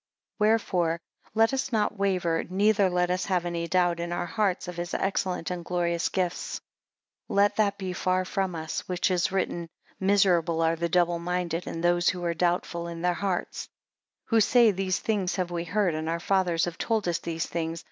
10 Wherefore let us not waver, neither let us have any doubt in our hearts, of his excellent and glorious gifts. 11 Let that be far from us which is written, Miserable are the double minded, and those who are doubtful in their hearts; 12 Who say these things have we heard, and our fathers have told us these things.